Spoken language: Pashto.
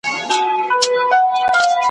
ښکاري کوتري ,